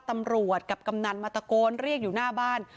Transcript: ตำรวจกับกำนันมาตะโกนเรียกอยู่หน้าบ้าน